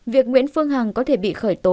việc nguyễn phương hằng có thể bị khởi tố